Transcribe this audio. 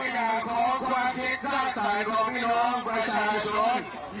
ดูอย่างโค้กความคิดสักสายของพี่น้องประชาชน